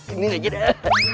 ini aja deh